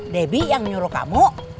debbie yang nyuruh kamu